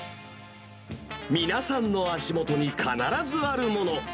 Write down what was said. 皆さんの足元に必ずあるもの。